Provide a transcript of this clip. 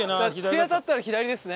突き当たったら左ですね。